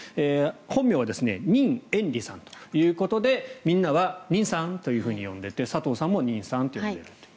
本名は任彦麗さんということでみんなは任さんというふうに呼んでて佐藤さんも任さんと呼んでいる。